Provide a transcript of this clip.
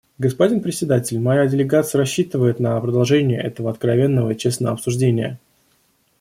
Господин Председатель, моя делегация рассчитывает на продолжение этого откровенного и честного обсуждения.